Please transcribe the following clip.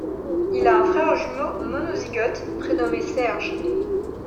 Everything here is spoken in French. Il a un frère jumeau monozygote prénommé Serge.